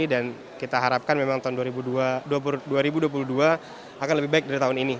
dan kita harapkan memang tahun dua ribu dua puluh dua akan lebih baik dari tahun ini